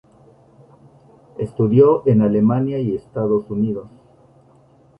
Estudió en Alemania y Estados Unidos.